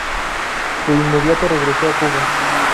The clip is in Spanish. De inmediato, regresó a Cuba.